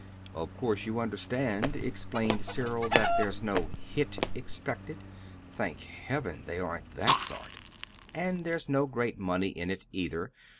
"Of course you understand," explained Cyril, "that there's no 'hit' expected. Thank heaven they aren't that sort! And there's no great money in it, either.